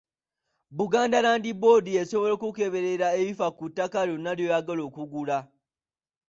Buganda Land Board esobola okukukeberera ebifa ku ttaka lyonna ly'oyagala okugula.